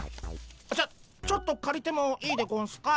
ちょちょっとかりてもいいでゴンスか？